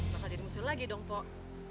masalah jadi musuh lagi dong pok